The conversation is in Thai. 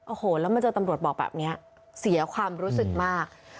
โอ้โหแล้วมาเจอตำรวจบอกแบบนี้เสียความรู้สึกมาก